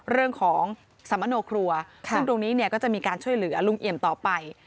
เรื่องของสมโนครัวซึ่งตรงนี้เนี่ยก็จะมีการช่วยเหลือลุงเอี่ยมต่อไป